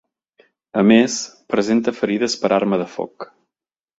A més, presenta ferides per arma de foc.